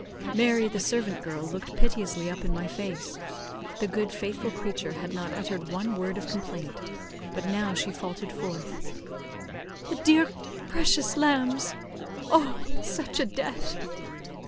Mary, the servant girl, looked piteously up in my face. The good, faithful creature had not uttered one word of complaint, but now she faltered forth "The dear, precious lambs! Oh! such a death!"